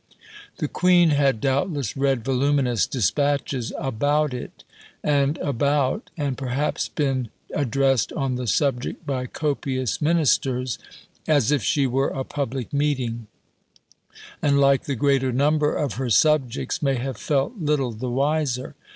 The Queen had doubtless read voluminous dispatches "about it and about," and perhaps been addressed on the subject by copious Ministers "as if she were a public meeting," and like the greater number of her subjects may have felt little the wiser.